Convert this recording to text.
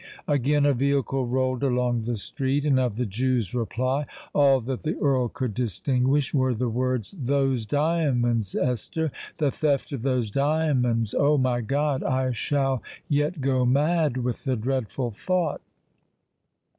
Again a vehicle rolled along the street; and of the Jew's reply all that the Earl could distinguish were the words——"those diamonds, Esther—the theft of those diamonds! Oh! my God—I shall yet go mad with the dreadful thought!"